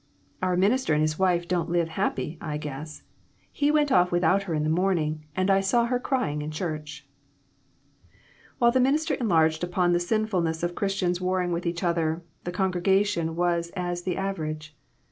" Our minister and his wife don't live happy, I guess. He went off without her in the morning, and I saw her crying in church." While the minister enlarged upon the sinful ness of Christians warring with each other, the congregation was as the average.